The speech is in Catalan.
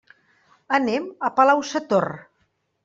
Anem a Palau-sator.